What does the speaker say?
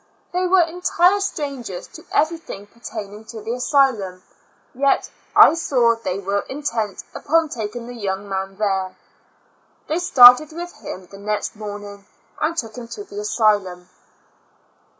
They were entire strangers to everything pertaining to the asylum, yet I saw they were intent upon taking the young man there. They started with him the next morning, and took him to the asylum.